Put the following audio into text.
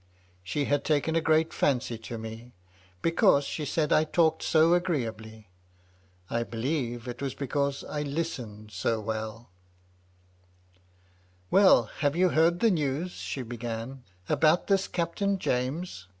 She had taken a great fancy to me, because she said I talked so agreeably. I believe it was because I listened so welL 282 MY LADY LUDLOW. "Well, have you heard the news," she began, "about this Captain James?